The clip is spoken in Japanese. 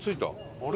あれ？